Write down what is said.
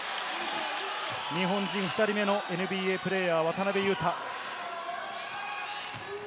日本人２人目のＮＢＡプレーヤー・渡邊雄太。